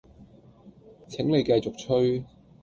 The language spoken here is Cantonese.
請你繼續吹